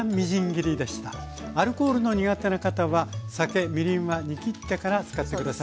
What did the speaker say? アルコールの苦手な方は酒みりんは煮きってから使って下さい。